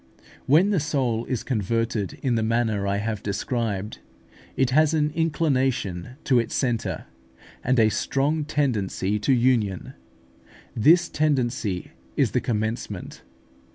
When the soul is converted in the manner I have described, it has an inclination to its centre, and a strong tendency to union: this tendency is the commencement.